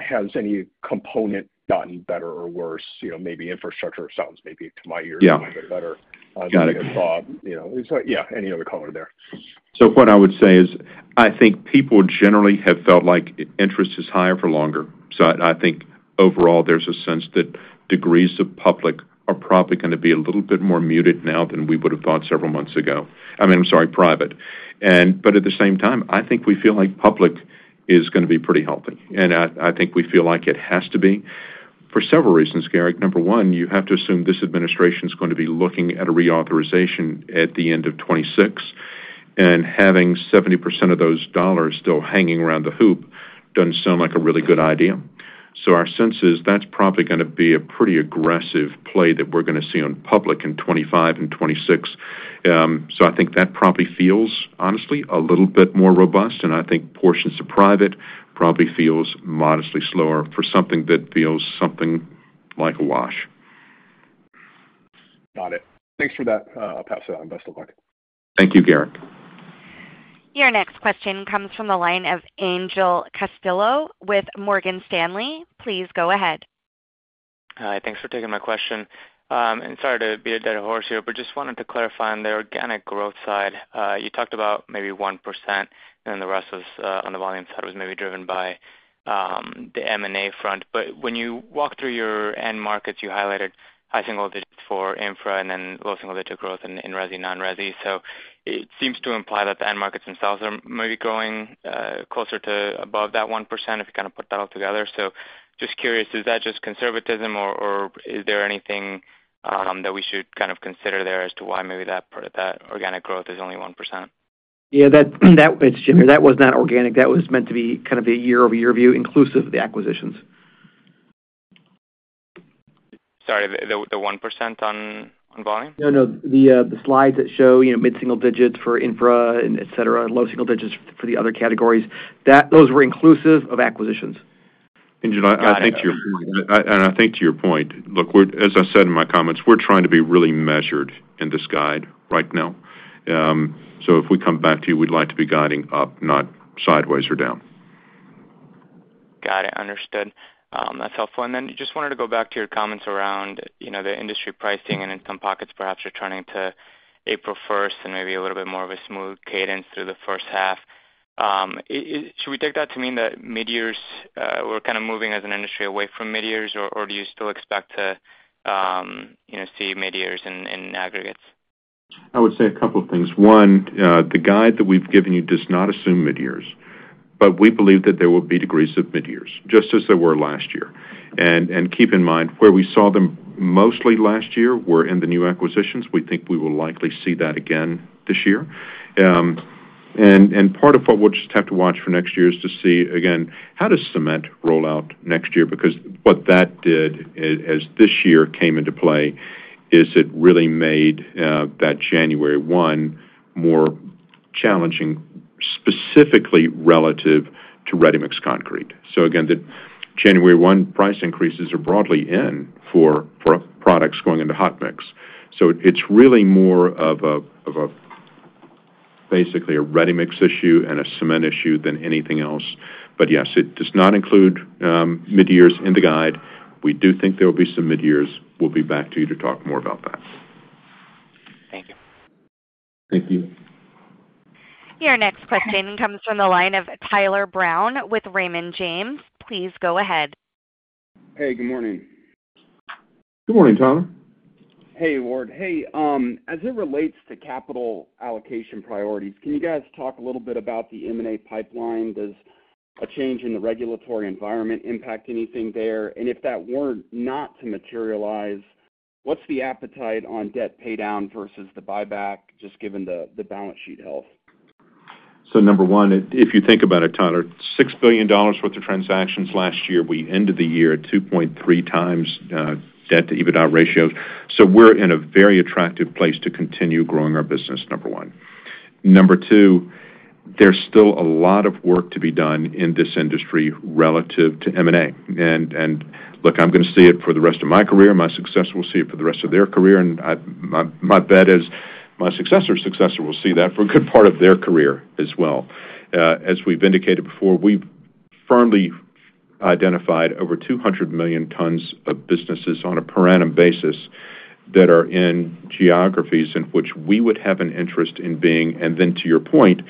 has any component gotten better or worse? Maybe infrastructure sounds to my ear a little bit better. Yeah. Got it. Yeah. Any other color there? So what I would say is I think people generally have felt like interest is higher for longer. So I think overall there's a sense that degrees of public are probably going to be a little bit more muted now than we would have thought several months ago. I mean, I'm sorry, private. But at the same time, I think we feel like public is going to be pretty healthy. And I think we feel like it has to be for several reasons, Garik. Number one, you have to assume this administration is going to be looking at a reauthorization at the end of 2026. And having 70% of those dollars still hanging around the hoop doesn't sound like a really good idea. So our sense is that's probably going to be a pretty aggressive play that we're going to see on public in 2025 and 2026. So I think that probably feels, honestly, a little bit more robust. And I think portions of private probably feels modestly slower for something that feels something like a wash. Got it. Thanks for that, and best of luck. Thank you, Garik. Your next question comes from the line of Angel Castillo with Morgan Stanley. Please go ahead. Hi. Thanks for taking my question. And sorry to beat a dead horse here, but just wanted to clarify on the organic growth side. You talked about maybe 1%, and then the rest was on the volume side was maybe driven by the M&A front. But when you walk through your end markets, you highlighted high single digits for infra and then low single digit growth in RESE, non-RESE. So it seems to imply that the end markets themselves are maybe growing closer to above that 1% if you kind of put that all together. So just curious, is that just conservatism, or is there anything that we should kind of consider there as to why maybe that organic growth is only 1%? Yeah. That was not organic. That was meant to be kind of a year-over-year view inclusive of the acquisitions. Sorry, the 1% on volume? No, no. The slides that show mid-single digits for infra, etc., and low single digits for the other categories, those were inclusive of acquisitions. I think to your point, look, as I said in my comments, we're trying to be really measured in this guide right now. So if we come back to you, we'd like to be guiding up, not sideways or down. Got it. Understood. That's helpful. And then just wanted to go back to your comments around the industry pricing, and in some pockets, perhaps you're turning to April 1st and maybe a little bit more of a smooth cadence through the first half. Should we take that to mean that mid-years, we're kind of moving as an industry away from mid-years, or do you still expect to see mid-years in aggregates? I would say a couple of things. One, the guide that we've given you does not assume mid-years, but we believe that there will be degrees of mid-years just as there were last year, and keep in mind, where we saw them mostly last year were in the new acquisitions. We think we will likely see that again this year, and part of what we'll just have to watch for next year is to see, again, how does cement roll out next year? Because what that did as this year came into play is it really made that January 1 more challenging specifically relative to ready-mix concrete, so again, the January 1 price increases are broadly in for products going into hot mix, so it's really more of basically a ready-mix issue and a cement issue than anything else, but yes, it does not include mid-years in the guide. We do think there will be some mid-years. We'll be back to you to talk more about that. Thank you. Thank you. Your next question comes from the line of Tyler Brown with Raymond James. Please go ahead. Hey, good morning. Good morning, Tyler. Hey, Ward. Hey, as it relates to capital allocation priorities, can you guys talk a little bit about the M&A pipeline? Does a change in the regulatory environment impact anything there? And if that were not to materialize, what's the appetite on debt paydown versus the buyback just given the balance sheet health? Number one, if you think about it, Tyler, $6 billion worth of transactions last year, we ended the year at 2.3x debt-to-EBITDA ratios. We're in a very attractive place to continue growing our business, number one. Number two, there's still a lot of work to be done in this industry relative to M&A. Look, I'm going to see it for the rest of my career. My successors will see it for the rest of their career. My bet is my successor's successor will see that for a good part of their career as well. As we've indicated before, we've firmly identified over 200 million tons of businesses on a per annum basis that are in geographies in which we would have an interest in being, and then to your point,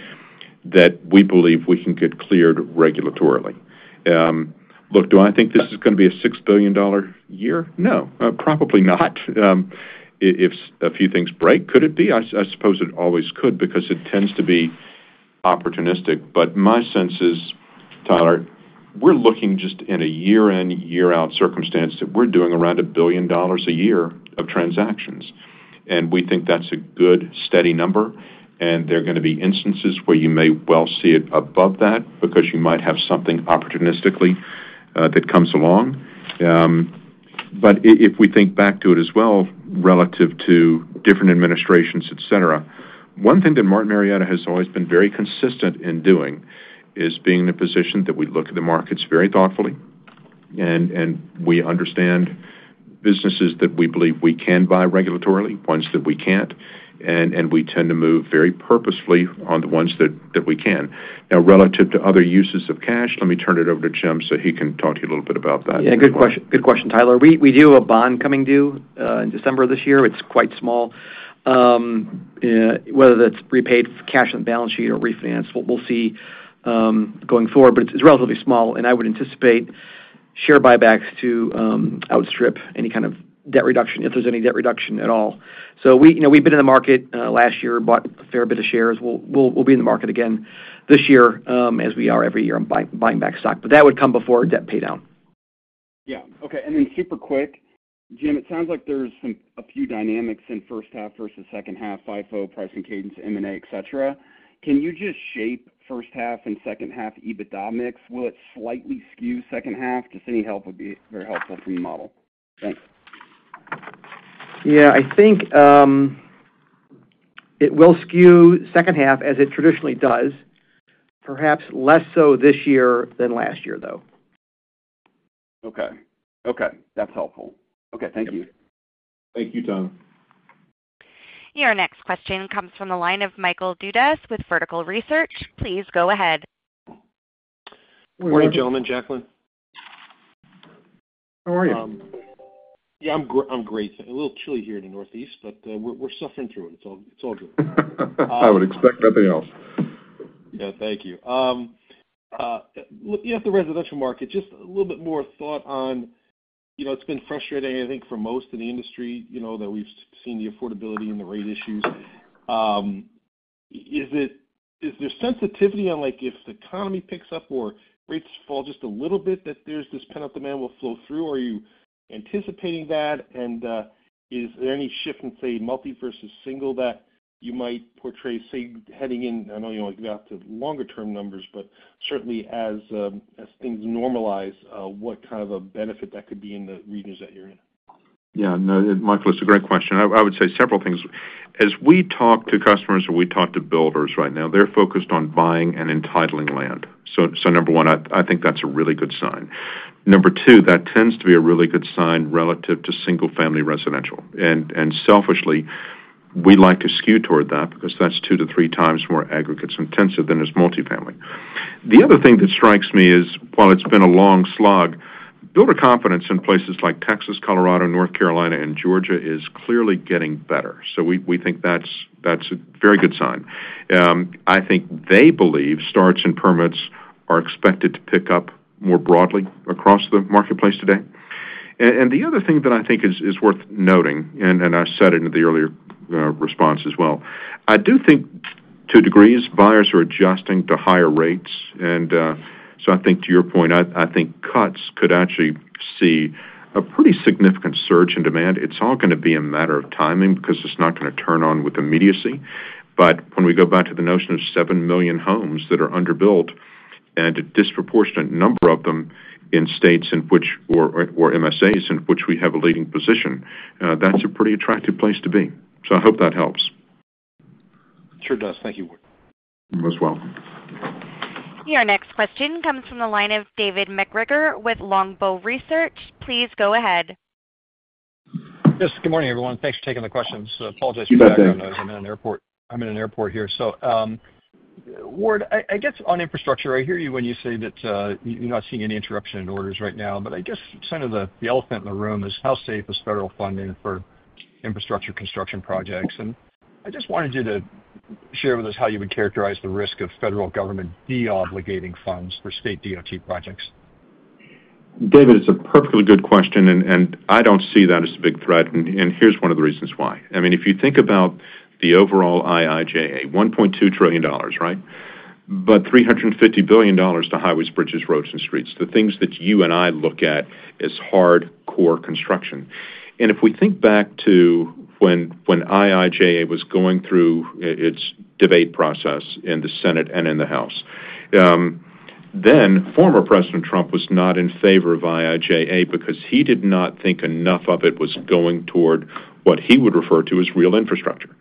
we believe we can get cleared regulatorily. Look, do I think this is going to be a $6 billion year? No, probably not. If a few things break, could it be? I suppose it always could because it tends to be opportunistic. But my sense is, Tyler, we're looking just in a year-in, year-out circumstance that we're doing around $1 billion a year of transactions. And we think that's a good steady number. And there are going to be instances where you may well see it above that because you might have something opportunistically that comes along. But if we think back to it as well relative to different administrations, etc., one thing that Martin Marietta has always been very consistent in doing is being in a position that we look at the markets very thoughtfully. And we understand businesses that we believe we can buy regulatorily, ones that we can't. We tend to move very purposefully on the ones that we can. Now, relative to other uses of cash, let me turn it over to Jim so he can talk to you a little bit about that. Yeah. Good question, Tyler. We do have a bond coming due in December of this year. It's quite small. Whether that's repaid cash on the balance sheet or refinanced, we'll see going forward. But it's relatively small. And I would anticipate share buybacks to outstrip any kind of debt reduction if there's any debt reduction at all. So we've been in the market last year, bought a fair bit of shares. We'll be in the market again this year as we are every year on buying back stock. But that would come before debt paydown. Yeah. Okay. And then super quick, Jim, it sounds like there's a few dynamics in first half versus second half, FIFO, pricing cadence, M&A, etc. Can you just shape first half and second half EBITDA mix? Will it slightly skew second half? Just any help would be very helpful from the model. Thanks. Yeah. I think it will skew second half as it traditionally does, perhaps less so this year than last year, though. Okay. Okay. That's helpful. Okay. Thank you. Thank you, Tyler. Your next question comes from the line of Michael Dudas with Vertical Research. Please go ahead. Morning, gentlemen. Jacklyn. How are you? Yeah. I'm great. A little chilly here in the Northeast, but we're suffering through it. It's all good. I would expect nothing else. Yeah. Thank you. Look, you have the residential market. Just a little bit more thought on, it's been frustrating, I think, for most in the industry that we've seen the affordability and the rate issues. Is there sensitivity on if the economy picks up or rates fall just a little bit that there's this pent-up demand will flow through? Are you anticipating that? And is there any shift in, say, multi versus single that you might portray, say, heading in? I know you don't like to go out to longer-term numbers, but certainly as things normalize, what kind of a benefit that could be in the regions that you're in? Yeah. No, Michael, it's a great question. I would say several things. As we talk to customers or we talk to builders right now, they're focused on buying and entitling land. So number one, I think that's a really good sign. Number two, that tends to be a really good sign relative to single-family residential. And selfishly, we like to skew toward that because that's 2x-3x more aggregates intensive than it's multi-family. The other thing that strikes me is, while it's been a long slog, builder confidence in places like Texas, Colorado, North Carolina, and Georgia is clearly getting better. So we think that's a very good sign. I think they believe starts and permits are expected to pick up more broadly across the marketplace today. The other thing that I think is worth noting, and I said it in the earlier response as well, I do think, to a degree, buyers are adjusting to higher rates. And so I think to your point, I think cuts could actually see a pretty significant surge in demand. It's all going to be a matter of timing because it's not going to turn on with immediacy. But when we go back to the notion of seven million homes that are underbuilt and a disproportionate number of them in states or MSAs in which we have a leading position, that's a pretty attractive place to be. So I hope that helps. Sure does. Thank you, Ward. You're most welcome. Your next question comes from the line of David MacGregor with Longbow Research. Please go ahead. Yes. Good morning, everyone. Thanks for taking the questions. I apologize. <crosstalk> I'm in an airport here. So Ward, I guess on infrastructure, I hear you when you say that you're not seeing any interruption in orders right now. But I guess kind of the elephant in the room is how safe is federal funding for infrastructure construction projects? And I just wanted you to share with us how you would characterize the risk of federal government de-obligating funds for state DOT projects. David, it's a perfectly good question. And I don't see that as a big threat. And here's one of the reasons why. I mean, if you think about the overall IIJA, $1.2 trillion, right? But $350 billion to highways, bridges, roads, and streets, the things that you and I look at as hardcore construction. And if we think back to when IIJA was going through its debate process in the Senate and in the House, then former President Trump was not in favor of IIJA because he did not think enough of it was going toward what he would refer to as real infrastructure.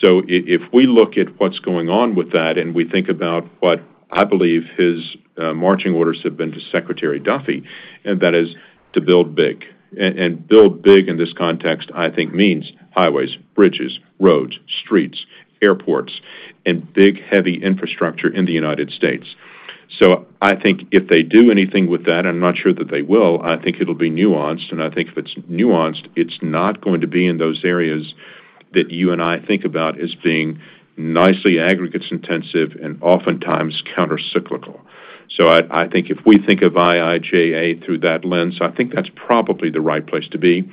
So if we look at what's going on with that and we think about what I believe his marching orders have been to Secretary Duffy, and that is to build big. And build big in this context, I think, means highways, bridges, roads, streets, airports, and big heavy infrastructure in the United States. So I think if they do anything with that, and I'm not sure that they will, I think it'll be nuanced. And I think if it's nuanced, it's not going to be in those areas that you and I think about as being nicely aggregates intensive and oftentimes countercyclical. So I think if we think of IIJA through that lens, I think that's probably the right place to be.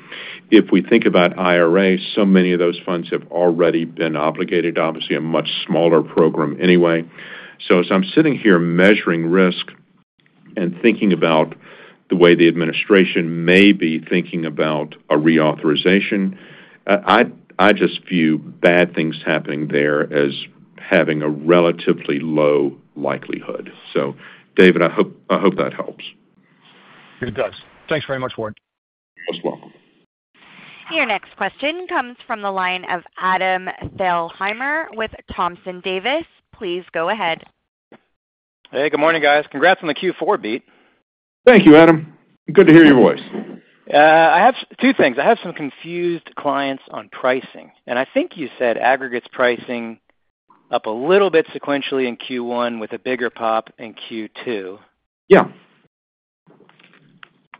If we think about IRA, so many of those funds have already been obligated, obviously a much smaller program anyway. So as I'm sitting here measuring risk and thinking about the way the administration may be thinking about a reauthorization, I just view bad things happening there as having a relatively low likelihood. So David, I hope that helps. It does. Thanks very much, Ward. You're most welcome. Your next question comes from the line of Adam Thalhimer with Thompson Davis. Please go ahead. Hey, good morning, guys. Congrats on the Q4 beat. Thank you, Adam. Good to hear your voice. I have two things. I have some confused clients on pricing. And I think you said aggregates pricing up a little bit sequentially in Q1 with a bigger pop in Q2. Yeah.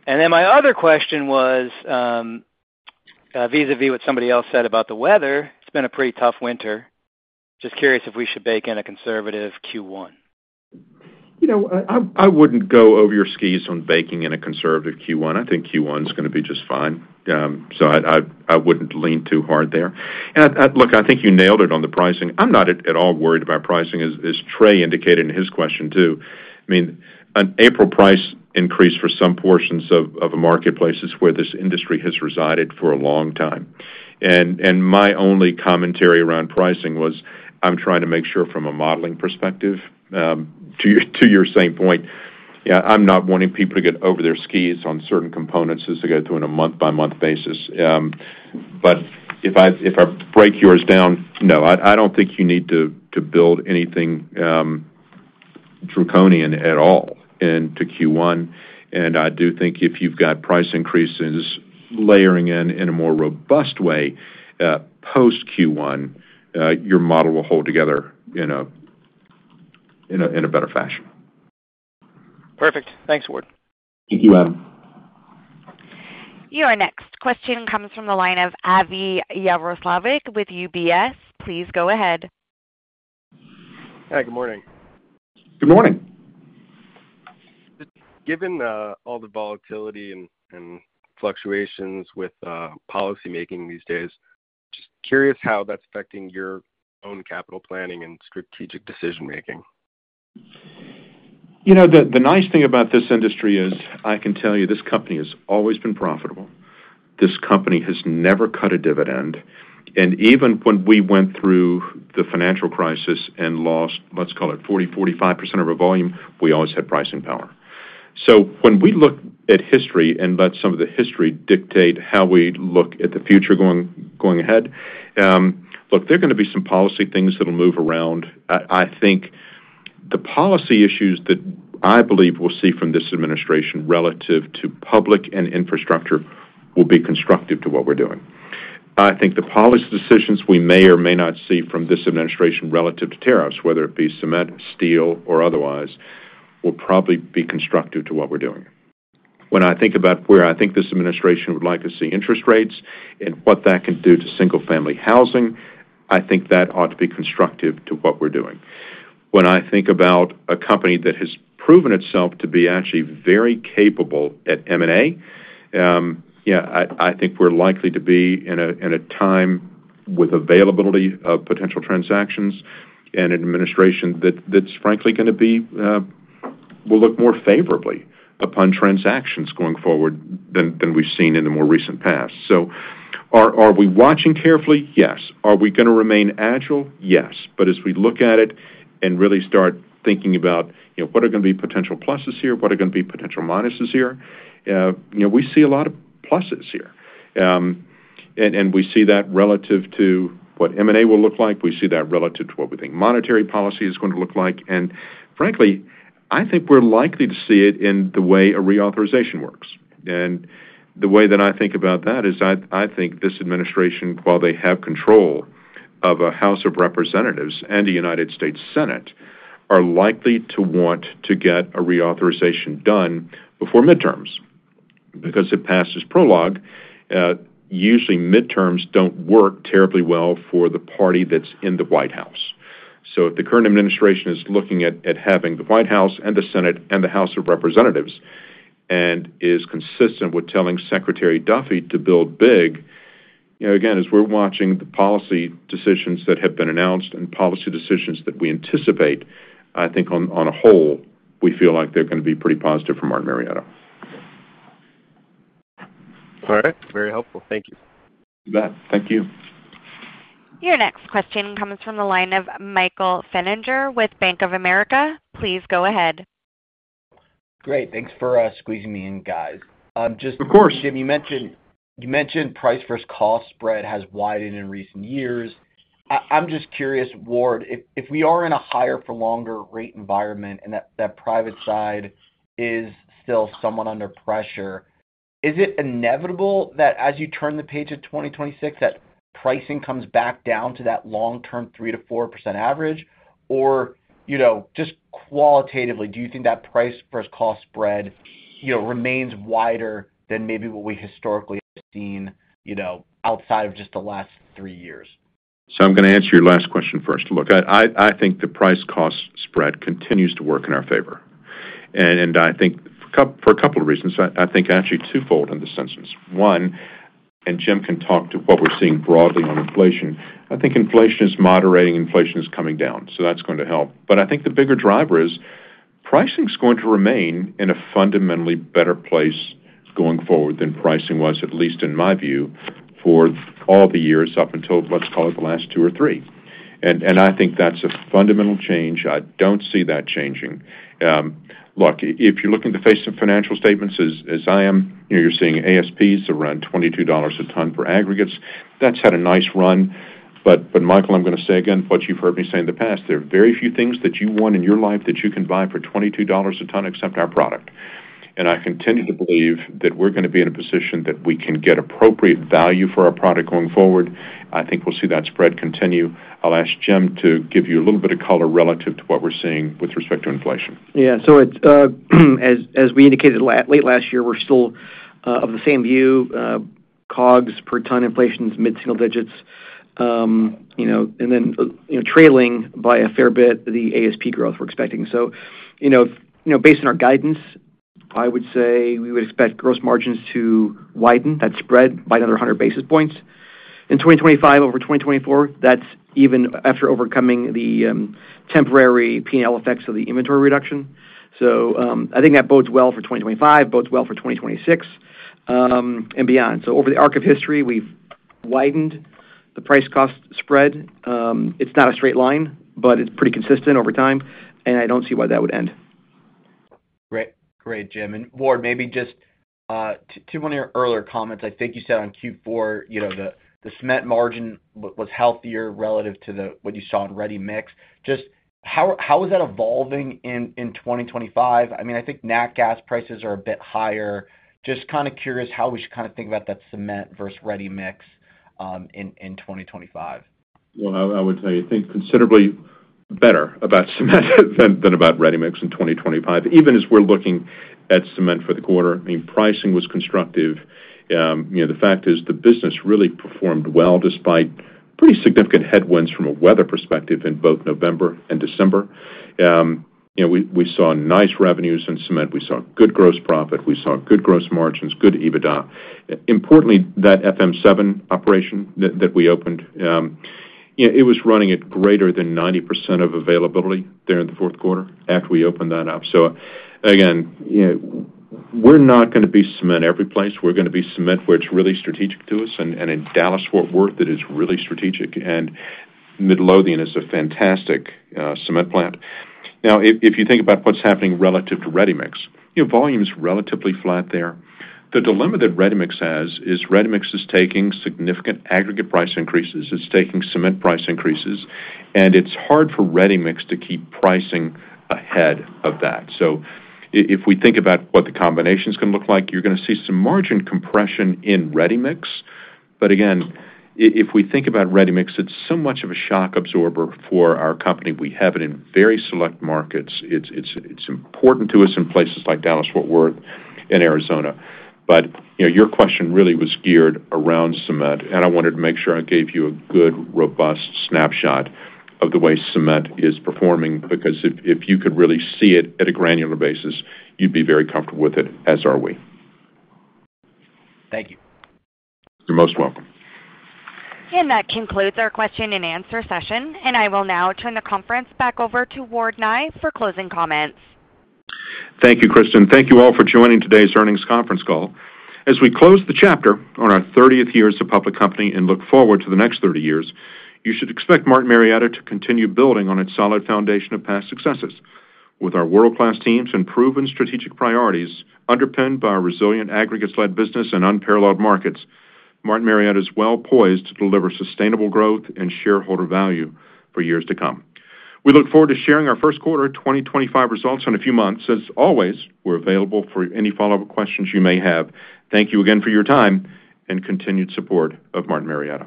And then my other question was vis-à-vis what somebody else said about the weather. It's been a pretty tough winter. Just curious if we should bake in a conservative Q1? I wouldn't go over your skis on baking in a conservative Q1. I think Q1 is going to be just fine, so I wouldn't lean too hard there. And look, I think you nailed it on the pricing. I'm not at all worried about pricing, as Trey indicated in his question too. I mean, an April price increase for some portions of a marketplace is where this industry has resided for a long time. And my only commentary around pricing was, I'm trying to make sure from a modeling perspective, to your same point, yeah, I'm not wanting people to get over their skis on certain components as they go through on a month-by-month basis, but if I break yours down, no, I don't think you need to build anything draconian at all into Q1. I do think if you've got price increases layering in in a more robust way post-Q1, your model will hold together in a better fashion. Perfect. Thanks, Ward. Thank you, Adam. Your next question comes from the line of Avi Jaroslawicz with UBS. Please go ahead. Hi, good morning. Good morning. Given all the volatility and fluctuations with policymaking these days, just curious how that's affecting your own capital planning and strategic decision-making? You know, the nice thing about this industry is I can tell you this company has always been profitable. This company has never cut a dividend, and even when we went through the financial crisis and lost, let's call it 40%-45% of our volume, we always had pricing power, so when we look at history and let some of the history dictate how we look at the future going ahead, look, there are going to be some policy things that will move around. I think the policy issues that I believe we'll see from this administration relative to public and infrastructure will be constructive to what we're doing. I think the policy decisions we may or may not see from this administration relative to tariffs, whether it be cement, steel, or otherwise, will probably be constructive to what we're doing. When I think about where I think this administration would like to see interest rates and what that can do to single-family housing, I think that ought to be constructive to what we're doing. When I think about a company that has proven itself to be actually very capable at M&A, yeah, I think we're likely to be in a time with availability of potential transactions and an administration that's frankly going to be willing to look more favorably upon transactions going forward than we've seen in the more recent past. So are we watching carefully? Yes. Are we going to remain agile? Yes. But as we look at it and really start thinking about what are going to be potential pluses here, what are going to be potential minuses here, we see a lot of pluses here, and we see that relative to what M&A will look like. We see that relative to what we think monetary policy is going to look like. And frankly, I think we're likely to see it in the way a reauthorization works. And the way that I think about that is I think this administration, while they have control of the House of Representatives and the United States Senate, are likely to want to get a reauthorization done before midterms because if past is prologue, usually midterms don't work terribly well for the party that's in the White House. So if the current administration is looking at having the White House and the Senate and the House of Representatives and is consistent with telling Secretary Duffy to build big, again, as we're watching the policy decisions that have been announced and policy decisions that we anticipate, I think on a whole, we feel like they're going to be pretty positive for Martin Marietta. All right. Very helpful. Thank you. You bet. Thank you. Your next question comes from the line of Michael Feniger with Bank of America. Please go ahead. Great. Thanks for squeezing me in, guys. Of course. Jim, you mentioned price versus cost spread has widened in recent years. I'm just curious, Ward, if we are in a higher-for-longer rate environment and that private side is still somewhat under pressure, is it inevitable that as you turn the page of 2026, that pricing comes back down to that long-term 3%-4% average? Or just qualitatively, do you think that price versus cost spread remains wider than maybe what we historically have seen outside of just the last three years? So I'm going to answer your last question first. Look, I think the price-cost spread continues to work in our favor. And I think for a couple of reasons, I think actually twofold in this instance. One, and Jim can talk to what we're seeing broadly on inflation. I think inflation is moderating. Inflation is coming down. So that's going to help. But I think the bigger driver is pricing is going to remain in a fundamentally better place going forward than pricing was, at least in my view, for all the years up until, let's call it, the last two or three. And I think that's a fundamental change. I don't see that changing. Look, if you're looking to face some financial statements as I am, you're seeing ASPs around $22 a ton for aggregates. That's had a nice run. But Michael, I'm going to say again what you've heard me say in the past. There are very few things that you want in your life that you can buy for $22 a ton except our product. And I continue to believe that we're going to be in a position that we can get appropriate value for our product going forward. I think we'll see that spread continue. I'll ask Jim to give you a little bit of color relative to what we're seeing with respect to inflation. Yeah. So as we indicated late last year, we're still of the same view. COGS per ton inflation is mid-single digits. And then trailing by a fair bit the ASP growth we're expecting. So based on our guidance, I would say we would expect gross margins to widen, that spread, by another 100 basis points. In 2025, over 2024, that's even after overcoming the temporary P&L effects of the inventory reduction. So I think that bodes well for 2025, bodes well for 2026, and beyond. So over the arc of history, we've widened the price-cost spread. It's not a straight line, but it's pretty consistent over time. And I don't see why that would end. Great. Great, Jim. And Ward, maybe just to one of your earlier comments, I think you said on Q4 the cement margin was healthier relative to what you saw in ready mix. Just how is that evolving in 2025? I mean, I think natural gas prices are a bit higher. Just kind of curious how we should kind of think about that cement versus ready mix in 2025? I would say I think considerably better about cement than about ready mix in 2025. Even as we're looking at cement for the quarter, I mean, pricing was constructive. The fact is the business really performed well despite pretty significant headwinds from a weather perspective in both November and December. We saw nice revenues in cement. We saw good gross profit. We saw good gross margins, good EBITDA. Importantly, that FM7 operation that we opened, it was running at greater than 90% of availability there in the fourth quarter after we opened that up. Again, we're not going to be cement every place. We're going to be cement where it's really strategic to us. In Dallas-Fort Worth, it is really strategic. Midlothian is a fantastic cement plant. Now, if you think about what's happening relative to ready mix, volume is relatively flat there. The dilemma that ready mix has is ready mix is taking significant aggregate price increases. It's taking cement price increases, and it's hard for ready mix to keep pricing ahead of that, so if we think about what the combination is going to look like, you're going to see some margin compression in ready mix, but again, if we think about ready mix, it's so much of a shock absorber for our company. We have it in very select markets. It's important to us in places like Dallas-Fort Worth and Arizona, but your question really was geared around cement, and I wanted to make sure I gave you a good robust snapshot of the way cement is performing because if you could really see it at a granular basis, you'd be very comfortable with it, as are we. Thank you. You're most welcome. That concludes our question and answer session. I will now turn the conference back over to Ward Nye for closing comments. Thank you, Kristin. Thank you all for joining today's earnings conference call. As we close the chapter on our 30th years as a public company and look forward to the next 30 years, you should expect Martin Marietta to continue building on its solid foundation of past successes. With our world-class teams and proven strategic priorities underpinned by our resilient aggregates-led business and unparalleled markets, Martin Marietta is well poised to deliver sustainable growth and shareholder value for years to come. We look forward to sharing our first quarter 2025 results in a few months. As always, we're available for any follow-up questions you may have. Thank you again for your time and continued support of Martin Marietta.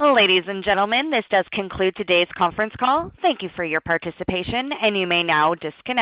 Ladies and gentlemen, this does conclude today's conference call. Thank you for your participation. You may now disconnect.